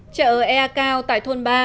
chợ ea cao tại thôn ba